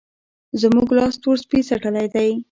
زموږ لاس تور سپي څټلی دی.